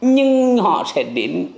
nhưng họ sẽ đến